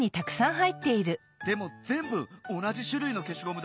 でもぜんぶおなじしゅるいのけしごむだ。